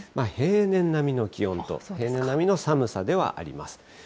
平年並みの気温と、平年並みの寒さではあります。